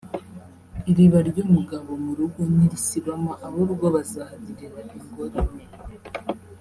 Iriba ry’umugabo mu rugo nirisibama ab’urugo bazahagirira ingorane